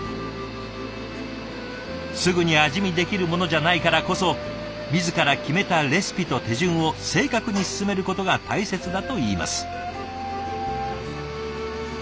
すぐに味見できるものじゃないからこそ自ら決めたレシピと手順を正確に進めることが大切だといいます。